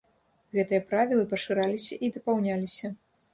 Гэтыя правілы пашыраліся і дапаўняліся.